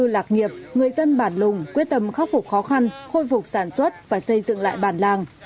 lạc nghiệp người dân bản lùng quyết tâm khắc phục khó khăn khôi phục sản xuất và xây dựng lại bản làng